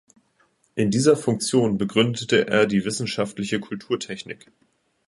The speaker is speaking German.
In dieser Funktion begründete er die wissenschaftliche Kulturtechnik.